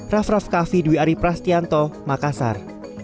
raff raff kaffi dwi ari prastianto makassar